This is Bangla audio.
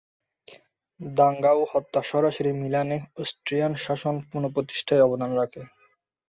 দাঙ্গা ও হত্যা সরাসরি মিলানে অস্ট্রিয়ান শাসন পুনঃপ্রতিষ্ঠায় অবদান রাখে।